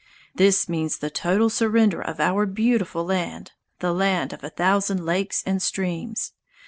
This means the total surrender of our beautiful land, the land of a thousand lakes and streams.